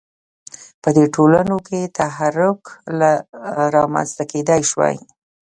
په دې ټولنو کې تحرک رامنځته کېدای شوای.